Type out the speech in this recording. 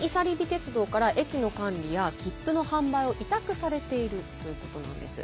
鉄道から駅の管理や切符の販売を委託されているということなんです。